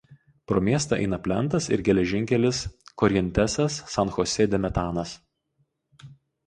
Pro miestą eina plentas ir geležinkelis Korjentesas–San Chose de Metanas.